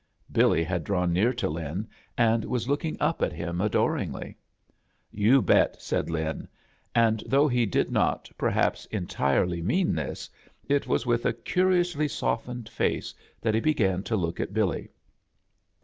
Billy had drawn nearer to Lin, and was looking up at him adoringly. "You betl" said Lin; and though he did not, perhaps, entirely mean this, it was with a' curiously softened face that he b^an to look at Billy.